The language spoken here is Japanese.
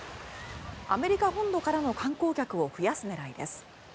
アメリカ本土からの観光客を増やす狙いです。